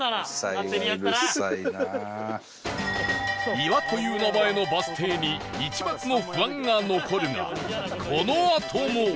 岩という名前のバス停に一抹の不安が残るがこのあとも